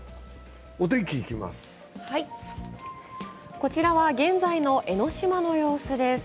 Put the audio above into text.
こちらは現在の江の島の様子です。